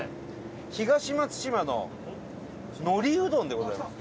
東松島ののりうどんでございます。